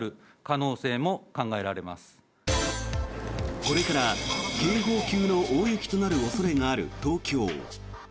これから警報級の大雪となる恐れがある東京。